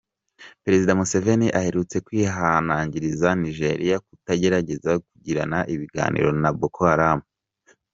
Perezida Museveni aherutse kwihanangiriza Nigeria kutagerageza kugirana ibiganiro na Boko Haramu.